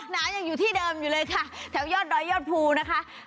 น้ำยังอยู่ที่เดิมอยู่เลยค่ะแถวยอดดอยยอดภูนะคะ